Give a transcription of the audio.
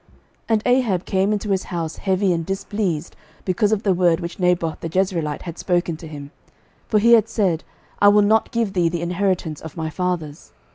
11:021:004 And Ahab came into his house heavy and displeased because of the word which Naboth the Jezreelite had spoken to him: for he had said, I will not give thee the inheritance of my fathers.